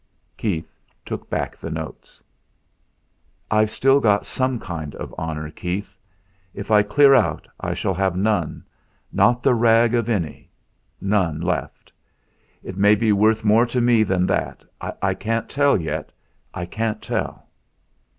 Keith took back the notes. "I've still got some kind of honour, Keith; if I clear out I shall have none, not the rag of any, left. It may be worth more to me than that I can't tell yet I can't tell."